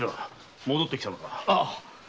戻って来たのか。